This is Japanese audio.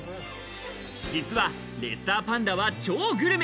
実はレッサーパンダは超グルメ。